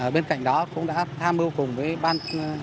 bên cạnh đó cũng đã tham mưu cùng với ban